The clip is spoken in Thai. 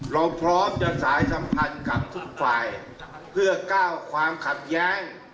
เราพร้อมจะสายสัมพันธ์กับทุกฝ่ายเพื่อก้าวความขัดแย้ง